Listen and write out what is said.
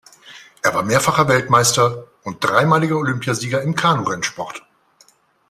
Er war mehrfacher Weltmeister und dreimaliger Olympiasieger im Kanurennsport.